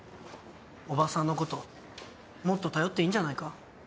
おばさんのこともっと頼っていいんじゃないか？